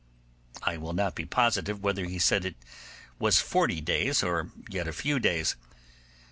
I will not be positive whether he said yet forty days or yet a few days.